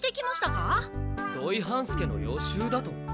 土井半助の予習だと？